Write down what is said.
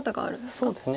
そうですね。